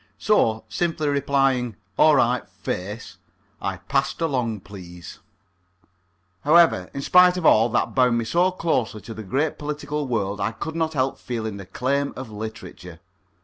So, simply replying "All right, face," I passalongpleased. However, in spite of all that bound me so closely to the great political world, I could not help feeling the claims of literature.